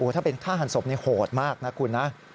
ถ้าเป็นฆ่าหันศพนี่โหดมากนะคุณนะ